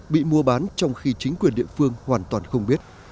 bị mua bán trong khi chính quyền địa phương hoàn toàn không biết